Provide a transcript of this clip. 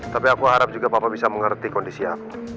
tapi aku harap juga papa bisa mengerti kondisi aku